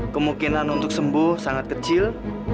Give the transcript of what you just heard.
kemungkinan untuk sembuh sangat kecil